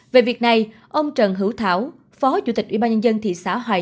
về việc này ông trần hữu thảo phó chủ tịch ubnd thị xã hoài